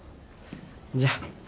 じゃあ。